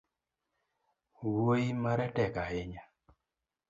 Wuoi mare tek ahinya